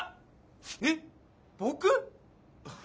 えっ僕！？